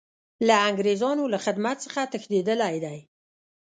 له انګریزانو له خدمت څخه تښتېدلی دی.